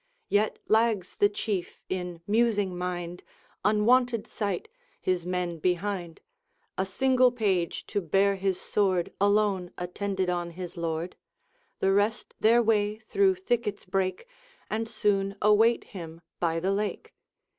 Yet lags the Chief in musing mind, Unwonted sight, his men behind. A single page, to bear his sword, Alone attended on his lord; The rest their way through thickets break, And soon await him by the lake.